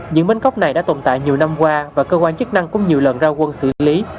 những bến cóc này đã tồn tại nhiều năm qua và cơ quan chức năng cũng nhiều lần ra quân xử lý